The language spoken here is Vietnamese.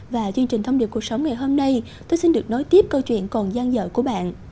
và chương trình thông điệp cuộc sống ngày hôm nay tôi xin được nói tiếp câu chuyện còn giang dở của bạn